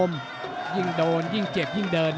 ฝ่ายทั้งเมืองนี้มันตีโต้หรืออีโต้